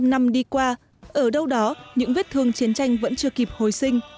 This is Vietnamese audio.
bảy mươi năm năm đi qua ở đâu đó những vết thương chiến tranh vẫn chưa kịp hồi sinh